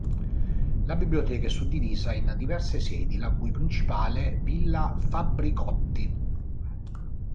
La biblioteca è suddivisa in diverse sedi, la cui principale Villa Fabbricotti.